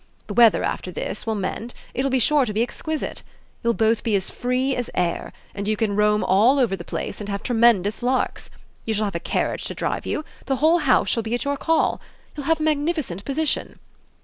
The weather, after this, will mend; it will be sure to be exquisite. You'll both be as free as air and you can roam all over the place and have tremendous larks. You shall have a carriage to drive you; the whole house shall be at your call. You'll have a magnificent position."